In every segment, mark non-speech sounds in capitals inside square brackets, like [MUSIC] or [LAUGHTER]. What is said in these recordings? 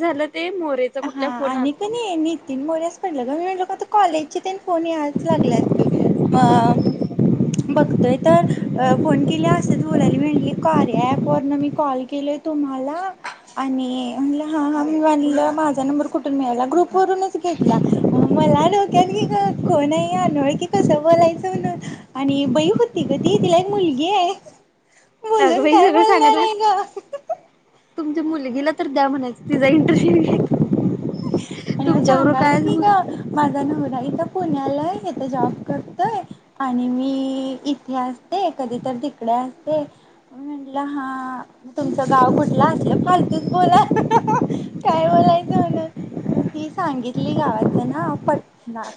झालं ते मोरे हा आणि कणी नितीन मोऱ्याच पडला मी म्हणल का कॉलेज फोन याच लागलात की म बघतोय तर फोन केले असच बोलाली म्हली कार्य ॲप वरन मी कॉल केली तुम्हाला आणि म्हणलं हा हा मी म्हणलं माझा नंबर कुठून मिळाला ग्रुपवरूनच घेतला मला डोक्यात कोण हाय अनोळखी कस बोलायचंण आणि बई होती ग ती तिला एक मुलगी आहे बोलून अगबाई काय सगळ सांगा बोलणार तुम आहे ग तुमच्या आणि मुलगीला तर द्या म्हणायचं तिझा इंटरेस्ट आणि मग तुमच्याबरोबर सांगाले काय की ग बोल माझा नवरा ता पुण्यालाय इथ जॉब करतोय आणि मी इथे असते कधी तर इकडे असते म्हटलं हा म तुमचं गाव कुठलं असल फालतूच बोला काय बोलायचं म्हण ती सांगितली गावाचं ना प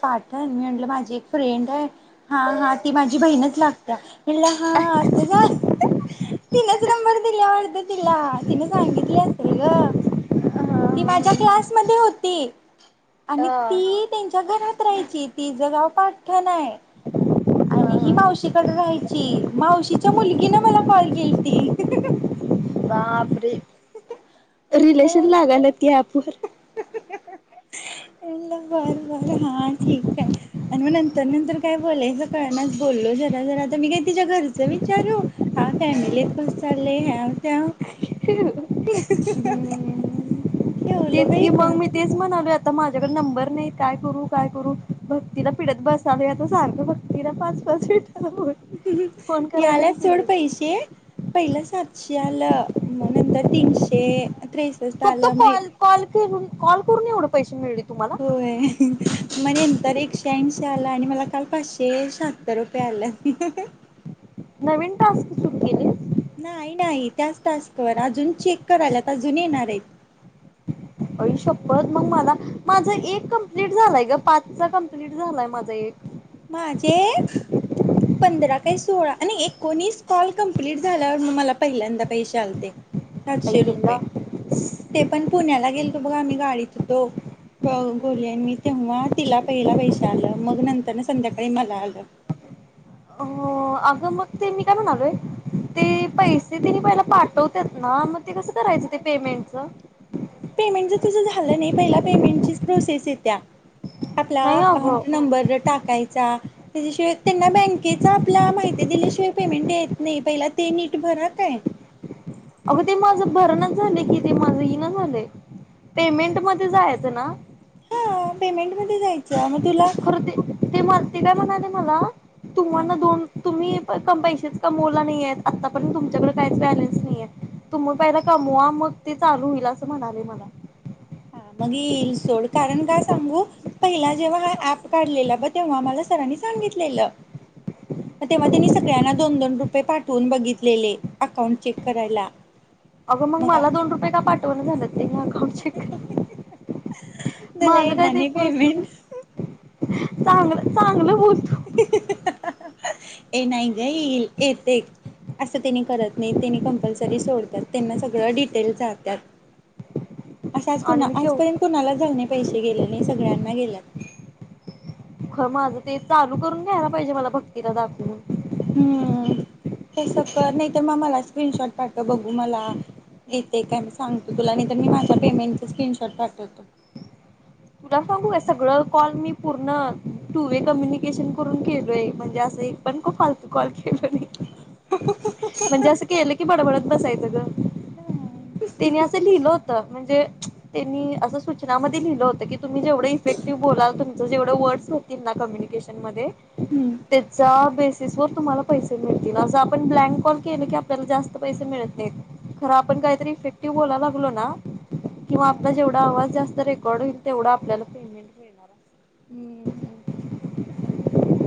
पाटण म्हलं माझी एक फ्रेंड आहे हा हा ती माझी बहीणच लागत्या म्हणलं हा आता जा [UNINTELLIGIBLE] तिनेच नंबर दिल्या वाटत तिला तिने सांगितली असेल ग ती माझ्या क्लासमध्ये होती आणि हा ती त्यांच्या घरात राहायची तीज गाव पाठण आहे आणि ही हा मावशीकडे राहायची मावशीच्या मुलगी ना मला कॉल केलती बापरे म्हणलं रिलेशन लागालत की ॲप वर [UNINTELLIGIBLE] बर बर हा ठीक आहे आणि मग नंतर नंतर काय बोलायचं कळनाच बोललो जरा जरा आता मग तीच्या घरचा विचारू हा फॅमिलीत कस झाले हे ह्याव त्याव ह [INAUDIBLE] तेच बाई कि फोन मग मी तेच म्हणालोय आता माझ्याकडे नंबर नाही काय करू काय करू भक्तीला पिडत बसलोय आता सांग भक्तीला पाच अशी याल्यात सोड पिडायचा पैसे पहिला सातशे नंतर तीनशे त्रेसष्ट फक्त आलं मग कॉल कॉल कॉल करून एवढं पैसे मिळ होय म्हग नंतर आला आणि मला काल पाचशे शात्तर रुपये आलं नवीन टास्क सुरू केली नाही नाही त्याच टास्कवर अजून चेक करायलात अजून येणार आहेत अ शप्पथ मग मला माझ एक कम्प्लीट झालाय ग पाचचा कम्प्लीट झालाय माझा एक माझे पंधरा काय सोळा आणि एकोणीस कॉल कंप्लीट झाल्यावर मला पहिल्यांदा पैसे आलते सातशे आईला रुपये ते पण पुण्याला गेलतो बघा आम्ही गाडीत होतो ब गलीन मी तेव्हा तिला पहिला पैश आलं मग नंतर ना संध्याकाळी मला आलं हो अगं मग ते मी काय म्हणा आलोय ते पैसे तिने पहिला पाठवत ना मग ते कसं करायचं ते पेमेंटच पेमेंटच तुझं झालं नाही पहिला पेमेंटची प्रोसेस येत्या आपला नाही अगं अकाउंट नंबर टाक त्याच्याशिवाय त्यांना बँकेचा आपला माहिती दिल्याशिवाय पेमेंट येत नाही पहिला नाही पीठ भरात आहे अगं ते माझं भरणच झाले कि ते माझ इन झालंय पेमेंट मध्ये जायचं ना हा पेमेंट म जायचं मग तुला हा खरं ते ते म ते काय म्हणाले मला तुम्हा ना दोन तुम्ही क पैसेच कमवला नाही आहेत आतापर्यंत तुमच्याकडे काहीच बॅलेन्स नाहीये. तु मग पहिला कमवा मग ते चालू होईल असं म्हणाले मला. हा मगल सोड कारण काय सांगू पहिला जेव्हा हा ऍप काढलेला ब तेव्हा मला सरांनी सांगितलेलं. तेव्हा त्यांनी सगळ्यांना दोन दोन रुपये पाठवून बघितलेले अकाउंट चेक करायला. अगं मग मला दोन रुपये का पाठवण झालं ते. श तुला माझं काय येणार ते नाही परच तच्या पेमेंट चांगलं चांगलं बोलत हे नाही गईल येते. असं त्यांनी करत नाही त्यांनी कंपल्सरी सोडतात त्यांना सगळं डिटेल जातात. [UNINTELLIGIBLE] असं आज आणि कुणा मी केव आजपर्यंत कुणाला झालंणे पैसे गेले नाही सगळ्यांना गेलं. खर माझं ते चालू करून घ्यायला पाहिजे मला भक्तीला दाखवून. हम्म तस नाही तर मग मला स्क्रीनशॉट पाठ बघू मला. य तेे काय मी सांगतो तुला नाही तरर मी माझ्या पेमेंटच स्क्रीनशॉट पाठवतो. ह [UNINTELLIGIBLE] तुला सांगू का सगळं कॉल मी पूर्ण टू वे कम्युनिकेशन करून केलोय म्हणजे असं. पण खूप फालतू कॉल केलं म्हणजे असं केलं की बडबडत बसायचं ग. त्याने असं लिहिलं होत म्हणजे. त्यांनी असं सूचनामध्ये लिहिलं होत की. तुम्ही जेवढ इफेक्टिव बोलाल तुमं जेवढ वर्डस होतील ना कम्यनिकेन मध्ये हम्म ते जाब तुम्हाला पैसे मिळतील असं आपण ब्लँक कॉल केले की आपल्याला जास्त पैसे मिळत नाहीत. खर आपण काहीतरी इफेक्टिव्ह बोला लागलो ना किंवा आपला जेवढा आवाज जास्त रेकॉर्ड होईल. तेवढा आपल्याला.. हम्म.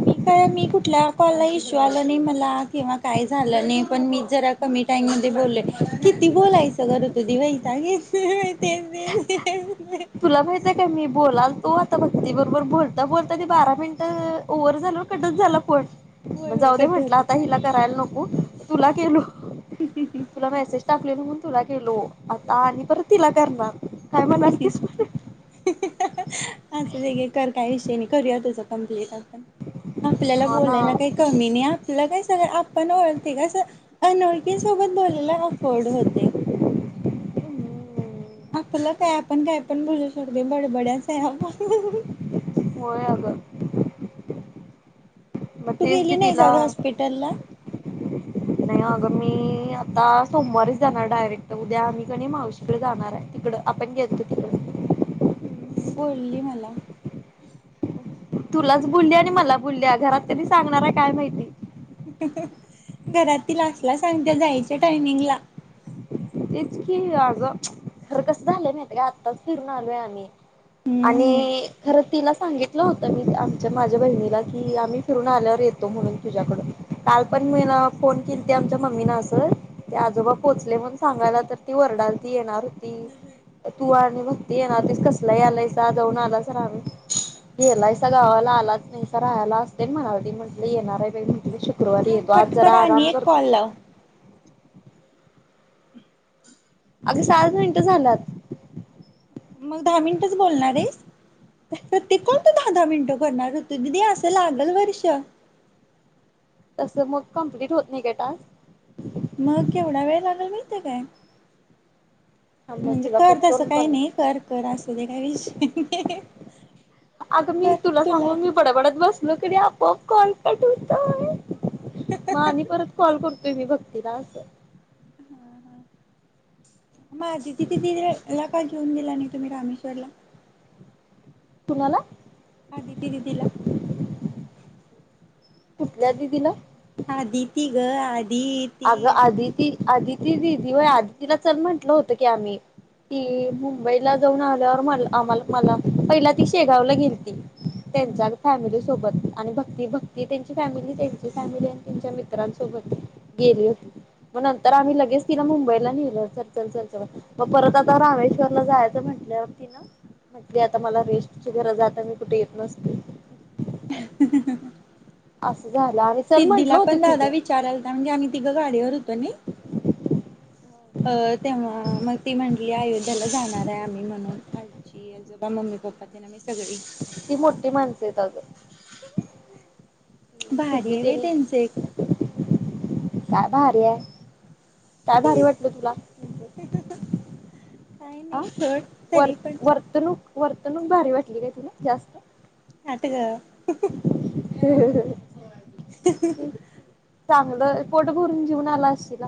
मी काय मी कुठल्या कॉलला इश्यू आल नाही मला किंवा काय झालं नाही पण मी जरा.. कमी टाईम म बोलय किती बोलायचं करर तु दिवाईगे. तुला माहित आहे का मी बोलाल. तो आता भक्ती बरोबर बोलता बोलता ते बारा मिनिटं ओव्हर झाल कटत झालं फोन मग होय होय जाऊ दे कट म्हंटलं होतोय. आता हिला करायला नको तुला केलो. तुला मेसेज टाकलेल म्हणून. तुला गलो आता आणि परत तिला करणार काय म्हणाल तीस? असू दे कर काही विषयी नय करूया तुझं कम्प्लीट. आपल्याला हा ना बोलायला काही कमी नाही आपलं काय सगळं आपण ओळते कस अनोळखी सोबत बोलयला अफोर्ड होतय. हम्म आपलं काय आपण काय पण बोलू शकते बडबड्याच आहे आपण. होय अगं. मग तू तेच गेली बी नाहीस तीला, आज हॉस्पिटलला नाही अगं मी आता सोमवारीच जाणार डायरेक्ट उद्या आम्ही कणी मावशीकडे जाणार आहे तिकड आपण गेलतो तिकड. हम्म, बोलली [INAUDIBLE] तुलाच बोली आणि मला बोलली घरात तरी सांगणार आहे काय माहिती? घरातील असला सांगत्या जायच्या टायमिंगला. तेच की अगं खरं कसं झालंय माहित का आत्ताच फिरून आलोय आम्ही. हम्म आणि खरं तिला सांगित होत मी आमच्या माझ्या बहिणीला की आम्ही फिरून आल्यावर येतो म्हणून तुझ्याकड काल पण अ फोन केलती आमच्या मम्मी न अस ते आजोबा पोहचले म्हणून सांगायला तर ती वरडालती येणार होती. तू आणि भक्ती येनार होतीस कसल यालायस जाऊन आलासा [UNINTELLIGIBLE] गेलायसा गावाला आलाच नाही राहायला अस तेन म्हणाल ती म्हंटले येणार आहे बा म्हटलं शुक्रवा शुक्रवारी थांब येतो कट आज जरा कर आराम आणि एक करतो. कॉल लाव अ सहाच मिनिटं झाल्यात. मग दहा मिनिटच बोलणार आहेस प्रत्येक कॉल तू दहा दहा मिनिट भरणार ऋतु दिदी असं लागल वर्ष. तसं मग कंमप्लीट होत नाही का टास्क? माहिते काय? थांब मग म्हणजे तुला कर कट तसं करून काही पण नाही कर कर असू दे त काय विषय नाय. अग मी तुला सांगून मी बडबडत बसलो कणी आपोआप कॉल कट होतोय म आणि परत कॉल करतोय मी भक्तीला अस. [INAUDIBLE] माझी दिदी ला का घेऊन गेला नाही तुम्ही रामेश्वरला. कुणाला. अदीती दिदीला. कुठल्या दिदीला. अदिती ग. अगं आदितीया आदिती आदिती दिदी होय आदितीला चल म्हंटलं होतं की आम्ही. ती हम्म मुंबईला जाऊन आल्यावर म आम्हाला मला पहिला ती शेगावला गेल ती. हम्म त्यांच्या फॅमिली सोबत. आणि भक्ती भक्ती त्यांची फॅमिली त्यांची फॅमिली आणि त्यांच्या मित्रांसोबत गेली होती. मग नंतर आम्ही लगेच तिला मुंबईला नेलं चल चल म्हणून म परत आता रामेश्वरला जायचं म्हण आपल्यावरती ना, सध्या आता मला रेस्टची गरज आता मी कुठे येत नसते. [UNINTELLIGIBLE] अस. सिद्धीला पण दादा विचारायला होता म्हणजे आम्ही तिघं गाडीवर होतो नय. अ तेव्हा म ती म्हटली आयु त्याला जाणार आहे आम्ही म्हणून आजी आजोबा मम्मी पप्पा तेन आम्ही सगळी. ती मोठी माणसं आहेत आजून. भारी सिद्धी आहे बाई त्यांनी. त्यांचे काय भारी आहे, काय भारी वाटल तुला? काय आ नाही सोड व तरी पण वर्तणूक वर्तणूक भारी वाटली काय तुला जास्त? नाटक ह चांगलं पोट भरून जीवन आला असश ना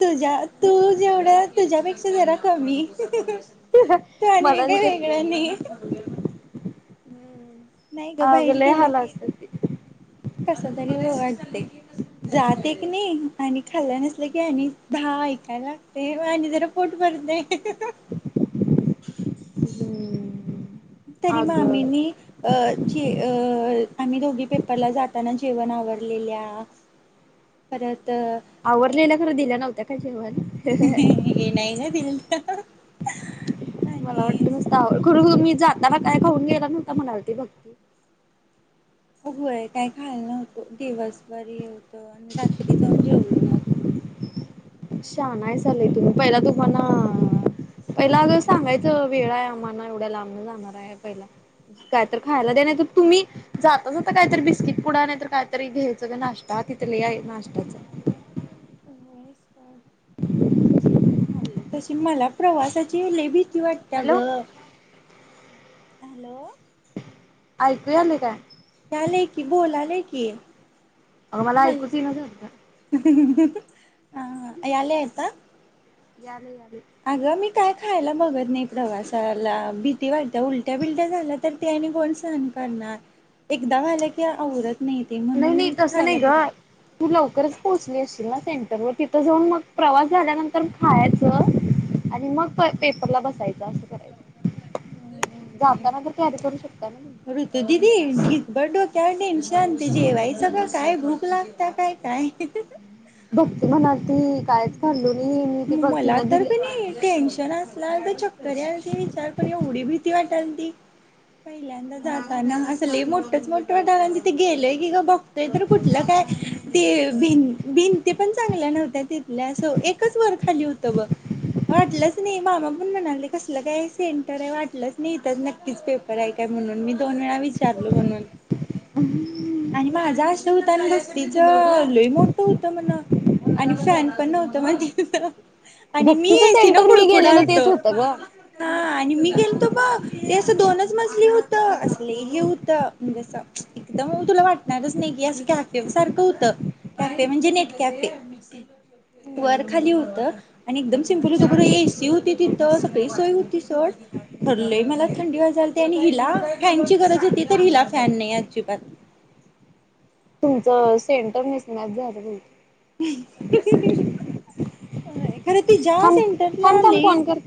तुझ्या तू जेवढ्या तुझ्यापेक्षा जरा कमी त आणि वे मला नाही काय त्यात वेगळं नाही नाही ग अग बाहेर लय गेलं हाल की असतात ते कस तरी व वाटते जाते क नाही आणि खाल्लं नसलं की आणि भाहा ऐकायला लागते आणि जरा फोट भरते हम् तरी मामीनी अ जे अ आम्ही दोघी पेपरला जाताना जेवण आववरलेल्या परत आवरलेला खरं दिल्या नव्हत्या काय जेवण हे नाही ना दिल मला आणि वाटलं मस्त आव कर मी जाताना काय खाऊन गेला नव्हता मणावरती भक्ती अय काय खायला नव्हतं दिवसभरी होत आणि रात्री जाऊन जेवलो मग ह शान आहे लय तुम्ही पहिला तुम्हाला पहिला अग सांगायचं वेळ आहे आम्हाना एवढ्या लांबून जाणार आहे पहिला काय तर खायला दे नाही तर तुम्ही जाता जाता कायतरी बिस्किट पुडा नाही तर कायतरी घ्यायचं का नाश्ता अ तथले आहे नाष्टाच तशी मला प्रवासाची लेबी कती वाटत हॅलो ग हॅलो ऐकू यालेय काय ले की बोलाले की अगं मला ऐकूच ईना झालतं ह्हृहृ याले आता याल या अगं मी काय खायला बघत नाही प्रवासाला भीती वाटते उलट्या बिलट्या झाल्या तर ते आणि कोण सण करणार एकदा व्हायला कि आवरत नाही ते म्हणून नाही नाही मी तसं नाही खायला ग बघत तू लवकरच पोहोचली असशील ना सेंटर व तिथं जाऊन मग प्रवास झाल्यानंतर खायचं आणि मग पेपरला बसायचं करा जाताना तर कार्य करू शक ऋत दिदी डिगबर डोक्याव टेन्शन ते जेवायचं का तुम्ही काय भूक लाग काय काय बघती म्हणालती कायच काढल मला तर कणी टेन्शन असला तर चक्कर या ते विचार पण एवढी भीती वाटाल पहिल्यांदा जाताना घाबरायचं असले मोठच मोठटाला तिथ गेलय की ग बघ तर कुठलं काय ते भ भिंती पण चांगल्या नव्ह त्या तिथल्या असं एकच वर खाली होतं ब वाटलंच नाही मामा पण म्हणाले कसलं काय सेंटर आहे वाटलंच नाही तर नक्कीच पेपर आहे का म्हणून मी दोन वेळा विचारलो म्हणून आणि माझ अस स््रीच लोय मोठ होतं म्हण आणि फॅन पण नव्हत माज आणि मी भक्तीचं यायस ना सेंटर मी गेलेलो कुडकुडालतो तेच होतं ग ह आणि मी गेल तो ब ते असं दोनच मजली होत असले हे होत म्हणजेस एकदम तुला वाटणारच नाही कॅफे सारखं होत कॅफे म्हणजे नेट कॅफे वर खाली होत आणि एकदम सिम्पल होतं कडं एसी होती तिथं सगळी सोय होती सड खरलंय मला थंडी जाल्ती आणि हिला फॅनची गरज होती तर हिला फॅन नाही अजिबात तुमचं सेंटर मिसमॅच झालं [UNINTELLIGIBLE] खरं ते ज्या थांब सेंटरला थांब थांब आले फोन करते